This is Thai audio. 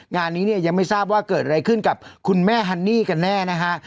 งานนี้เนี่ยยังไม่ทราบว่าเกิดอะไรขึ้นกับคุณแม่ฮันนี่กันแน่นะฮะ